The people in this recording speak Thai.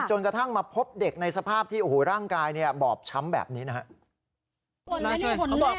จนกระทั่งมาพบเด็กในสภาพที่โอ้โหร่างกายบ่อบช้ำแบบนี้นะฮะ